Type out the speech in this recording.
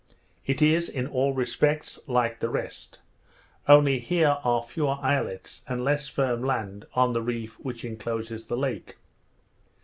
It is, in all respects, like the rest; only here are fewer islets, and less firm land on the reef which incloses the lake.